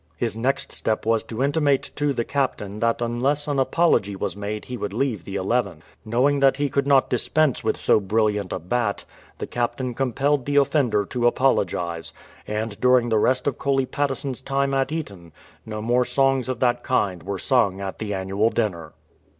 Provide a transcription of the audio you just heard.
His next step was to intimate to the captain that unless an apology was made he would leave the Eleven. Knowing that he could not dispense with so brilliant a bat, the captain compelled the offender to apologize ; and during the rest of Coley Patteson"*s time at Eton no more songs of that kind were sung at the annual dinner.